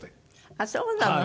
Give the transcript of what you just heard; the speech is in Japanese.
あっそうなの？